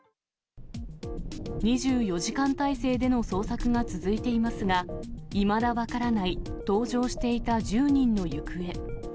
２４時間態勢での捜索が続いていますが、いまだ分からない搭乗していた１０人の行方。